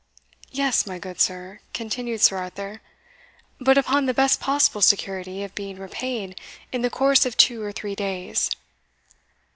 "Yes, my good sir," continued Sir Arthur; "but upon the best possible security of being repaid in the course of two or three days."